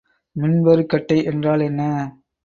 மின்பொறிக் கட்டை என்றால் என்ன?